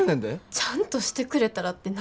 ちゃんとしてくれたらって何？